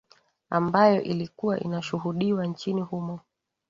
ambayo ilikuwa inashuhudiwa nchini humo